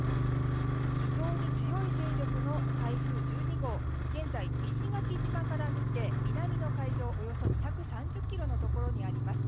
非常に強い勢力の台風１２号現在、石垣島から見て南の海上およそ２３０ｋｍのところにあります。